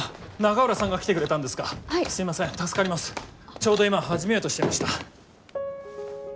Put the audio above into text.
ちょうど今始めようとしていました。